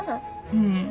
うん。